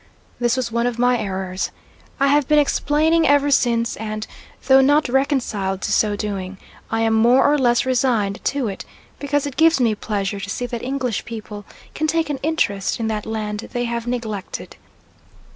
This was one of my errors. I have been explaining ever since; and, though not reconciled to so doing, I am more or less resigned to it, because it gives me pleasure to see that English people can take an interest in that land they have neglected.